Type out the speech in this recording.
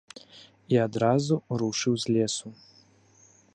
І адразу рушыў з лесу.